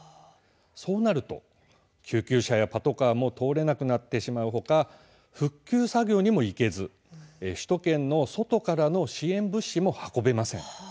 そうなると救急車やパトカーも通れなくなってしまうほか復旧作業にも行けず首都圏の外からの支援物資も運べません。